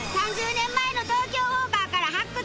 ３０年前の『東京ウォーカー』から発掘！